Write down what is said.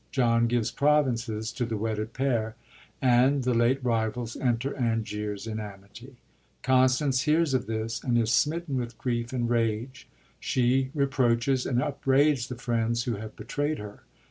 John gives provinces to the wedded pair, and the late rivals enter Anglers in amity. Constance hears of this, and is smitten with grief and rage. She re proaches and upbraids the friends who have betrayd her.